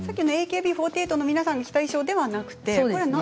ＡＫＢ４８の皆さんが着た衣装ではないですね。